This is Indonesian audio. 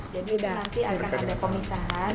jadi nanti akan ada pemisahan